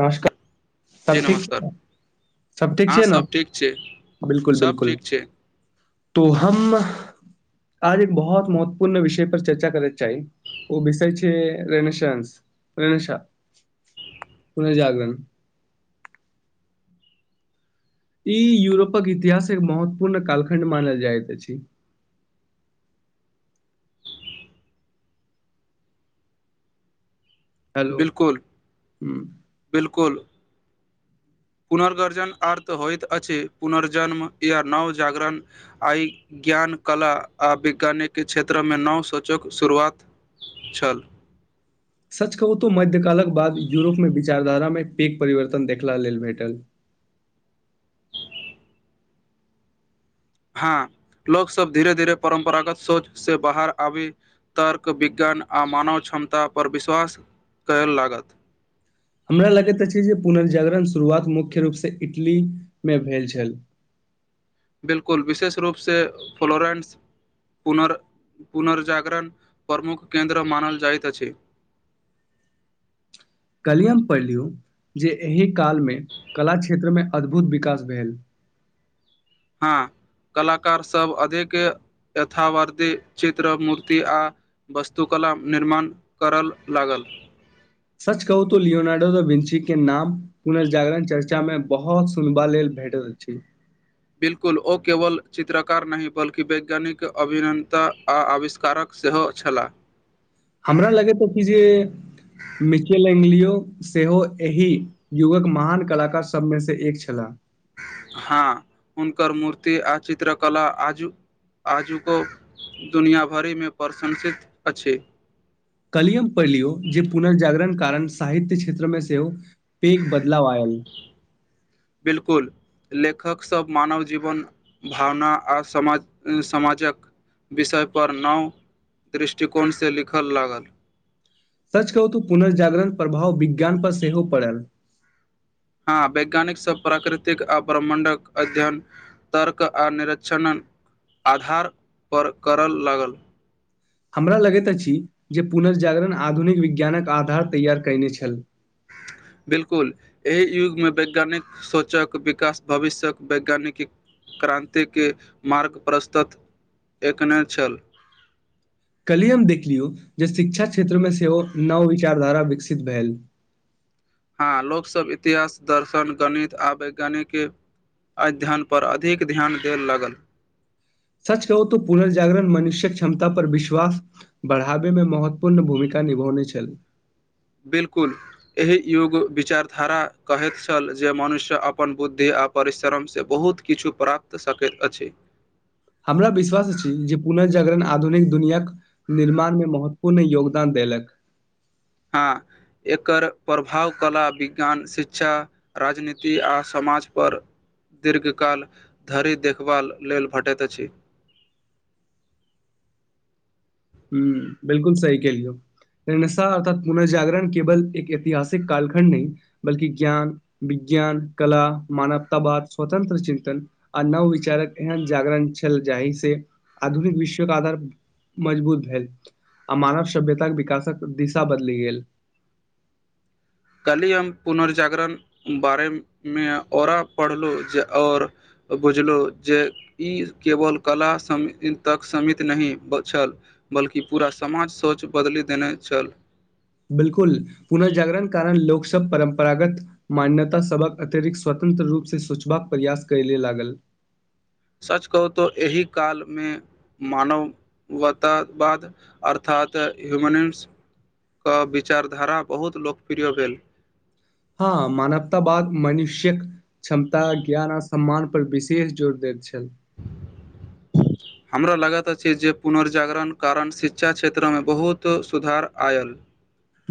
नमस्कार जी तब ठीक नमस्कार छै सब ठीक हँ छै ने ठीक छै बिलकुल सब बिलकुल ठीक छै तो हम आज एक बहुत महत्वपूर्ण विषय पर चर्चा करैत चाही ओ बिसै छै रेनेशंस रेनेशा पूर्न जागरण ई यूरोपक इतिहासक महत्वपूर्ण कालखण्ड मानल जाइत अछि [inaudible] हेलो बिलकुल हूँ बिलकुल पुनर्गर्जन आर्थ होइत अछि पुनर्जन्म य नव जाागरण आय ज्ञान कला आ वैज्ञानिक क्षेत्रमे नव सूचोक शुरुआत छल सच कवतहु मध्य्यकालक बाद यूरोपमे विचारधारामे पैघ परिवर्तन देखला लेल भेटल [inaudible] हँ लोकसभब धीरे धीरे परम्परागत सोच से बाहर आभे तर्क विज्ञान आ मानव क्षमता पर विश्वास कल लागत हमरा लगैत अछि जे पुनर्जागरण शुरुआत मुख्य रूपसँ इटलीमे भेल छल बिलकुल विशेष रूपसँ फ्लोरेंस पुन पुनर्जागरण प्रमुख केन्द्र मानल जाइत अछि [inaudible] पढ़िय जे एहि काल मे कला क्षेत्र मे अद्भुत विकास भेल हँ कलाकारसभ अधिक यथावर्ध चित्र मूर्ति आ वस्तुकला निर्माण करय लागल सच कहू तो लियोनार्डो त विन्सी के नाम पुनर्जागरण चर्चामे बहुत सुनबा लेल भेटैत छी बिलकुल ओ केवल चित्रकार नहि बल्कि वैज्ञानिक अभििनता आ आविष्कारक सेहो छलाह हमरा लगे त कि जे मिचेलेलियो सेहो एहि युगक महान कलाकार सभमेसँ एक छलाह हँ हुनकर मूर्ति आ चित्रकला आजु आजुको दुनिआँ भरिमे प्रशंसित अछि कलियम पढ़ि लियौ जे पुनर्जागरण कारण साहित्य क्षेत्रमे सेहो पैघ बदलाव आल बिलकुल लेखकसभ मानव जीवन भावना आ समाज समाजक विषयपर नव दृष्टिकोणसँ लिखय लागल सच कहू तू पुनर्जागरण प्रभाव विज्ञान पर सेहो पड़ल हँ वैज्ञानिक सब प्राकृतिक आ प्रमण्डक अध्ययन तर्क आ निरक्षण आधारपर करय लागल हमरा लगैत अछि जे पुनर्जागरण आधुनिक विज्ञानक आधार तैयार कयने छल ह [inaudible] बिलकुल एहि युगमे वैज्ञानिक सोचक विकास भविष्यक वैज्ञानिक क्रान्तिके मार्ग प्रस्तत एकने छल कलहि हम देखलियौ जे शिक्षा क्षेत्रमे सेहो नव विचारधारा विकसित भेल हँ लोकसभ इतिहास दर्शन गणित आ वैज्ञानिकके अध्ययनपर अधिक ध्यान देल लागल सच कहू त पुनर्जागरण मनुष्यक क्षमता पर विश्वास बढ़ावाबे मे महत्वपूर्ण भूमिका निभरने छल बिल्कुल एहि युग विचारधारा कहैत छल जे मनुष्य अपन बुद्धि आ आ परिश्रमसँ बहुत किछु प्राप्त सकैत अछि हमरा विश्वास अछि जे पुनर्जागरण आधुनिक दुनियाक निर्माणमे महत्वपूर्ण योगदान देलक हँ एकर प्रभाव कला विज्ञान शिक्षा राजनीति आ सम समाजपर दीर्घकाल धरि देखभाल लेल भेटैत अछि [inaudible] हँ बिलकुल सही कहलिय यौ अर्थ पुनर्जागरण केवल एक ऐतिहासिक कालखण्ड नहि बल्ि ज्ञान वि ज्ञान कला मानवता बाद स्वतंत्र चिन्तन आ नववचारक एहन जागरण छल जे चहि से आधुनिक विश्वके आधार मजबूत भेल आ मानव सभ्यताक विकासक दिशा बदलि गेल कल्हि हम पुनर्जागरण बारेमे औरा पढ़लहुँ जे आओर बुझलहुँ जे ई केवल कला तक सीमित नहि छल बल्कि पूरा समाज सोच बदलि देने छल बिलकुल पुनर्जागरण कारण लोकसभ परम्परागत मान्यता सभक अतिरिक्त स्वत स्वतंत्र रूप से सोचबाक प्रयास कयले लागल [inaudible] सच कहू त एहि कालमे मानववतावाद अर्थात त ह्युमनिम्सके विचारधारा बहुत लोकप्रिय भेल हँ मानवता बाद मनुष्यक क्षमता ज्ञान आ सम्मान पर विशेष जोर दैत छल [inaudible] हमरा लागैत अछि जे पुनर्जागरण कारण शिक्षा क्षेत्रमे बहुत सुधार आयल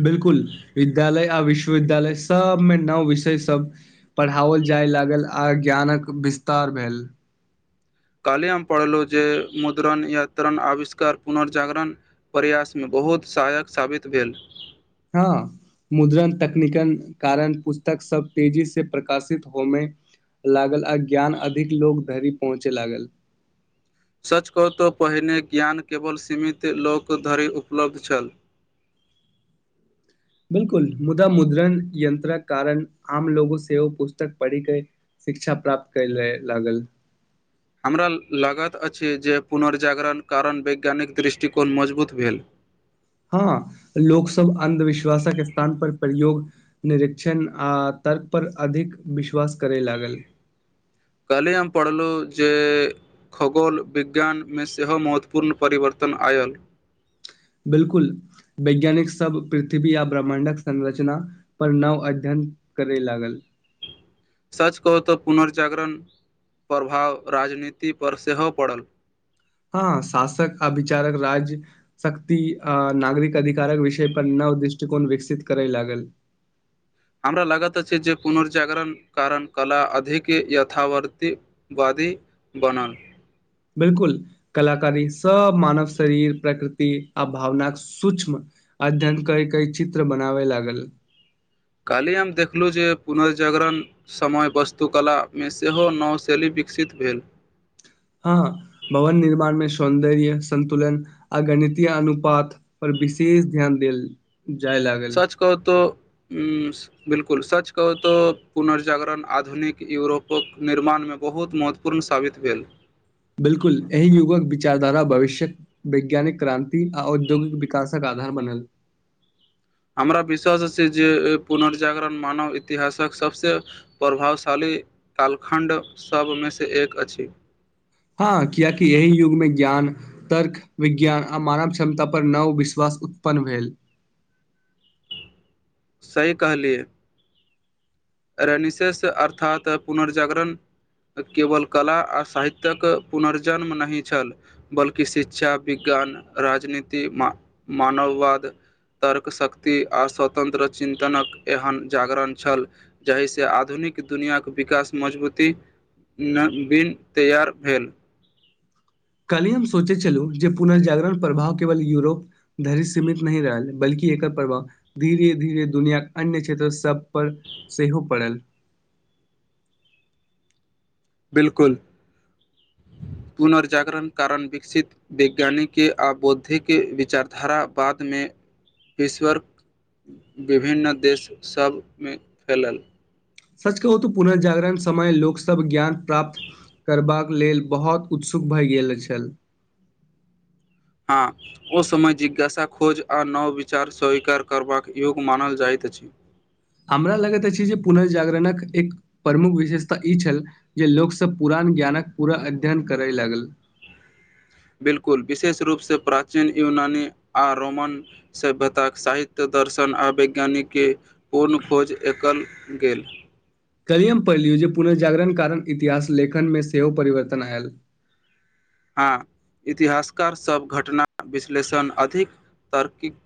बिल्कुल विद्यालय आ विश्वविद्यालय सबमे नव विषय सब पढ़ाओल जा जाय लागल आ ज्ञानक विस्तार भेल काल्हि हम पढ़लहुँ जे मुद्रण यात्रण आविष्कार पुनर्जागरण प्रयासमे ब बहुत सहायक साबित भेल हँ मुद्रण तकनीकन कारण पुस्तक सब तेजी से प्रकाशित होमय लागल आ ज्ञान अधिक लोग धरि पहुँचय लागल सच कहु तऽ पहिने ज्ञान केवल सीमित लोक धरि उपलब्ध छल [inaudible] बिलकुल मुदा मुद्रण यंत्रक कारण आम लोगो से ओ पुस्तक पढ़ि कऽ शिक्षा प्राप्त कयले लागल ह [inaudible] हमरा लागैत अछि जे पुनर्जागरण कारण वैज्ञानिक दृष्टिकोण मजबूत भेल हँ लोक सब अन्धविश्वासक स्थान पर प्रयोग निरक्षिण आ तर्क पर अधिक विश्वास करै लागल [inaudible] काल्हि हम पढ़लुँ जे खगोल विज्ञानमे सेहो महत्वपूर्ण परिवर्तन तन आयल बिलकुल वैज्ञानिक सब पृथ्वी आ ब्रह्माण्डक संरचना पर नव अध्ययन करय लागल सच कहू तऽ पुनर्जागरण प्रभाव राजनीतिपर सेहो पड़ल हँ शासक अभिचारक राज्य शक्ति आ नागरिक अधिकारक विषय पर न नव दृष्टिकोन विकसित करै लागल [inaudible] हमरा लागैत अछि जे पुनर्जागरण कारण कला अधिक यथावर्ति बाद ति बनल बिलकुल कलाकारी सब मानव शरीर प्रकृति आ भावनाक सुक्ष्म अध्ययन कई कई चित्र बनावे लागल ह [inaudible] काल्हि हम देखलुजे पुनर्जागरण समय वस्तुकलामे सेहो नव शैली बी विकसित भेल हँ भवन निर्माण मे सौन्दर्य सन्तुलन आ गणितीय अनुपात पर विशेष ध्यान देल जाय लागल सच कहू तो ह्म बिलकुल सच कहू तऽ पुनर्जागरण आधुनिक यूरोपक निर्माणमे मे बहुत महत्वपूर्ण साबित भेल बिलकुल एहि युगक विचारधारा भविष्यक वैज्ञानिक क्रान्ति आ औद्योगिक विकासक कार आधार बनेल [inaudible] हमरा विश्वास अछि जे पुनर्जागरण मानव इतिहासक सबसे प्रभावशाली के कालखण्ड सबमेसँ एक अछि हँ कियाक एहि युगमे ज्ञान तर्क विज्ञान आ मानव क्षमता पर नव विश्वास उत्पन्न भेल सही कहलियै रेनिसस अर्थात पुनर्जागरण केवल कला आ साहित्यक पुनर्जन्म नहि छल बल्कि शिक्षा विज्ञान राजनीति मा मानववाद तर्क शक्ति आ स्वतन्त्र चिन्तनक एहन जागरण छल जाहिसे आधुनिक दुनिआँके विकास मजबूती नहि बिन तैयार भेल काल्हि हम सोचै छलु जे पुनर्जागरण प्रभाव केवल यूरोप धरि सीमित नहि रहल बल्कि कि एकर प्रभाव धीरे धीरे दुनियाक अन्य क्षेत्र सब पर सेहो पड़ल [inaudible] बिलकुल पुनर्जागरण कारण विकसित वैज्ञानिके आ बौद्धिके विचारधारा बाद में विश्वर विभिन्न देश सभमें फैलल सच कहू त पुनर्जागरण समय लोकसभ ज्ञान प्राप्त करबाक लेल बहुत उत्सुक भए गेल छल [inaudible] हँ ओ समय जिज्ञासा खोज आ नव विचार स्वीकार करबाक योग मानल जाइत छी हमरा लगैत अछि जे पुनर्जागरणक एक प्रमुख विशेषता ई छल जे लोकसभ पुरान ज्ञानक पूरा अध्ययन करय लागल [unintelligible] बिलकुल विशेष रूपसँ प्राचीन यूनानी आ रोमन सभ्यतााक साहित्य दर्शन आ वैज्ञानिक के पूर्ण खोज एकल गेल कलियम पढ़लियू जे पुनर्जागरण कारण इतिहास लेखन में सेहो परिवर्तन आयल हँ इतिहासकार सभ घटना विश्लेषण अधिक तर्कीक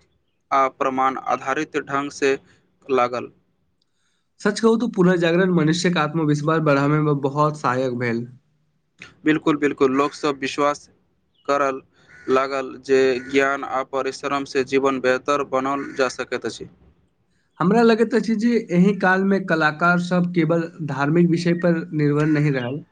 आ प्रमाण आधारित ढङ्ग से लागल सच कहू तऽ पुनर्जागरण मनुष्य्यक आत्मविश्वास बढ़ाबैमें बहुत सहायक भेल बिलकुल बिलकुल लोकसभ विश्वास करल लागल जे ज्ञान आ परिश्रम सँ जीवन बेहतर बनाओल जा सकैत अछि हमरा लगैत अछि जे एहि काल में कलाकार सब केवल धार्मिक विषय पर निर्भर नहि रहल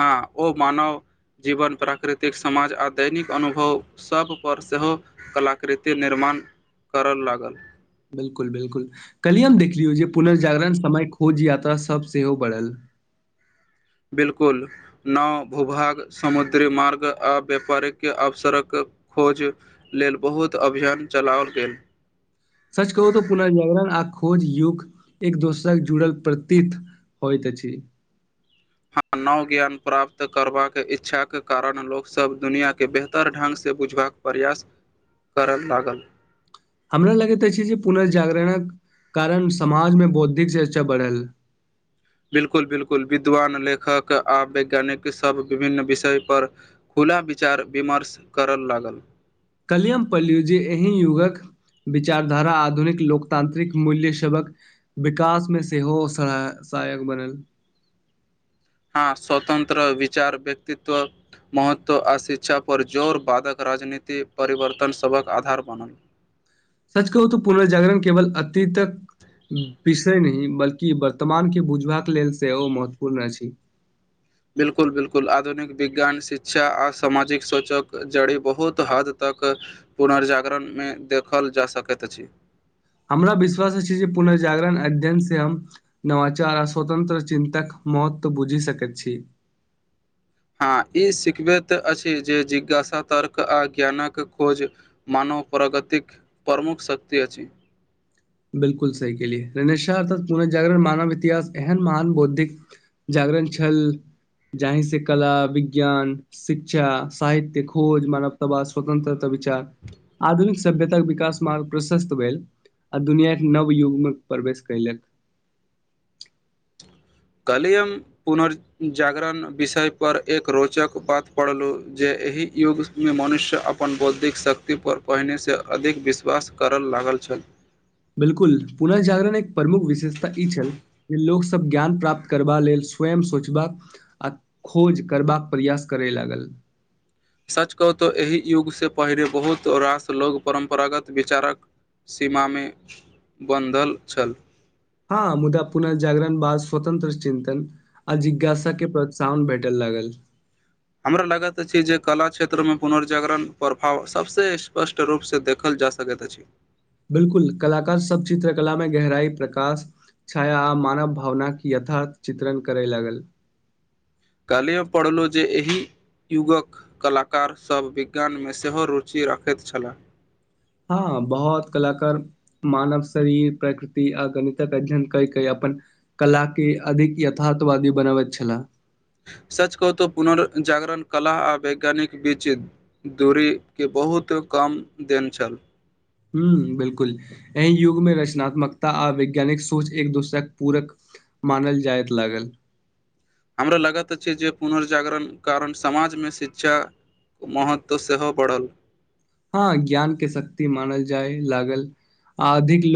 हँ ओ मानव जीवन प्राकृतिक समाज आ दैनिक अनुभव सभपर सेहो कलाकृति निर्माण करय लागल बिलकुल बिलकुल काली हम देखलियौ जे पुनर्जागरण समय खोज यात्रा सभ सेहो बढ़ल बिलकुल नौ भूभाग समुद्री मार्ग आ व्यापारिक अवसर क खोज लेल बहुत अभियान चलाओल गेल सच कहू तऽ पुनर्जागरण आ खोज युग एक दोसरक जुड़ल प्रतीत होइत अछी हँ नव ज्ञान प्राप्त करबाक इच्छा के कारण लोकसभ दुनिया के बेहतर ढङंगसँ बुझबाक प्रयास करय लागल हमरा लागैत अछी जे पुर्नजागरणक कारण समाजमे बौद्धिक चर्चा बढ़ल बिलकुल बिलकुल विद्वान लेखक आ वैज्ञानिक सभ विभिन्न विषय पर खुद खुला विचार विमर्श करऽ लागल काल्हिये हम पढ़लौ जे एहि युगक विचारधारा आधुनिक लोकतांत्रिक मूल्य सभहक विकासमे सेहो स सहायक बनल [inaudible] हँ स्वतंत्र विचार व्यक्तित्व महत्व आ शिक्षा पर जोर वादा कर राजनीति परिवर्तन सभक आधार बनल सच कहू त पुनर्जागरण केवल अतीतक विषय नहि बल्कि वर्तमानके बुझबाक लेल सेहो महत्वपूर्ण अछि बिलकुल बिलकुल आधुनिक विज्ञान शिक्षा आ सामाजिक सोचक जड़ी बहुत हद तक क पुनर्जागरणमे देखल जा सकैत अछि हमरा विश्वास छै जे पुनर्जागरण अध्ययन से हम नवाचार आ स्वतंत्र चिन्तक महत्व बुझि सकैत छी [inaudible] हँ ई सिखबैत अछि जे जिज्ञासा तर्क आ ज्ञानक खोज मानव प्रगतिक प्रमुख शक्ति अछि बिल्कल सही केलियै निस्वार्थ पुर्नजागरण मानव इतिहास एहन महान बौद्धिक जागरण छल जाहि से कला विज्ञान शिक्षा साहित्य खोज मानवतावा स्वतंत्रता विचार आधुनिक सभ्यताके विकास मार्ग प्रशस्त भेल आ दुनीयाकें नवयुगमे प्रवेश कयलक काल्हि हम पुनर्जागरण विषय पर एक रोचक बात पढ़लहु जे एहि युगमे मनुष्य अपन बौद्धिक शक्ति पर पहिने से अधिक विश्वास कर लागल छल बिलकुल पुर्नजागरण एक प्रमुख विशेषता ई छल जे लोकसभ ज्ञान प्राप्त करबा लेल स्वयं सोचबाक आ खोज करबाक प्रयास करय लागल ह [inaudible] सच कहु तऽ एहि युग से पहिले बहुत रास लोग परम्परागत विचारक सीमामे बन्धल छल हँ मुदा पुनर्जागरण बाद स्वतंत्र चिन्तन आ जिज्ञासा के प्रोत्साहन भेटल लग ट्वेल हमरा लगैत अछि जे कला क्षेत्रमे पुनर्जागरण प्रभाव सभस स्पष्ट रूपसँ देखल जा सकैत अछि बिलकुल कलाकार सब चित्रकलामे गहराइ प्रकाश छाया आ मानव भावनाक यथा चित्रण करय लागल कालियेअ पढ़लहुं जे एहि युगक कलाकारसभ विज्ञानमे सेहो रुचि राखैत छलाह हँ बहुत कलाकार मानव शरीर प्रकृति आ गणित के अध्ययन कय कै अपन कला के अधिक यथार्थवादी बनाबैत छला ह [inaudible] सच कहु तऽ पुनर्जागरण कला आओर वैज्ञानिक बीच दूरीके बहुत कम देन छल हं बिलकुल एहि युगमे रचनात्मकता आ वैज्ञानिक सोच एक दोसरक पूरक मानल जाइत लागल हमरा लागत छै जे पुनर्जागरण कारण समाजमे शिक्षा महत्व सेहो बढ़ल हँ ज्ञान के शक्ति मानल जाय लागल आ अधिक ल